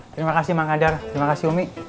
terima kasih mangkandar terima kasih umi